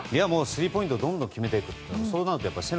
スリーポイントどんどん決めていくことです。